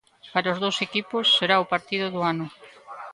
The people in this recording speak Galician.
Para os dous equipos será o partido do ano.